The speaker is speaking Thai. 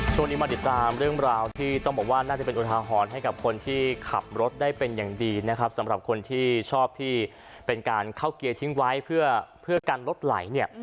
ช่วงนี้มาติดตามเรื่องราวที่ต้องบอกว่าน่าจะเป็นอุทาหรณ์ให้กับคนที่ขับรถได้เป็นอย่างดีนะครับสำหรับคนที่ชอบที่เป็นการเข้าเกียร์ทิ้งไว้เพื่อกันรถไหลเนี่ย